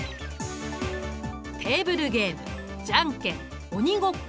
テーブルゲームじゃんけん鬼ごっこ